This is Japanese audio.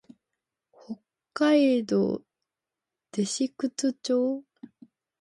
北海道弟子屈町